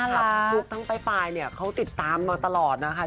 ลูกทางป้ายปายเนี่ยเขาติดตามมาตลอดนะคะ